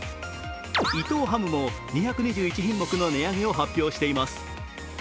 伊藤ハムも２２１品目の値上げを発表しています。